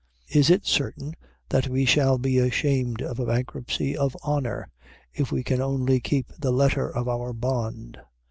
Is it certain that we shall be ashamed of a bankruptcy of honor, if we can only keep the letter of our bond?